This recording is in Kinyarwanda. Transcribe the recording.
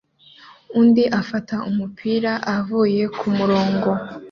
undi afata umupira avuye kumurongo